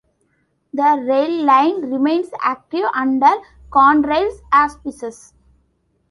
The rail line remains active under Conrail's auspices.